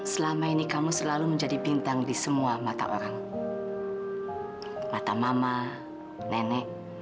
sampai jumpa di video selanjutnya